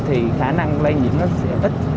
thì khả năng lây nhiễm nó sẽ ít